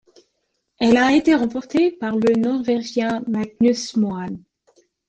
Elle a été remportée par le norvégien Magnus Moan.